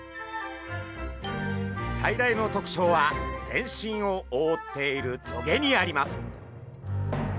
最大の特徴は全身をおおっている棘にあります。